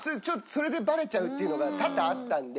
それでバレちゃうっていうのが多々あったので。